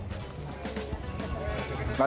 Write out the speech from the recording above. empat puluh ribu rupiah